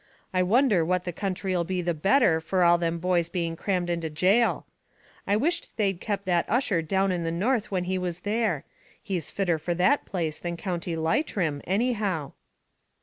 I wonder what the counthry 'll be the better for all them boys being crammed into gaol. I wish they'd kept that Ussher down in the north when he was there; he's fitter for that place than County Leitrim, any how."